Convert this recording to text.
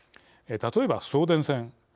例えば送電線。